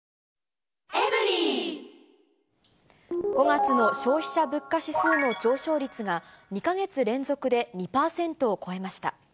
５月の消費者物価指数の上昇率が、２か月連続で２％を超えました。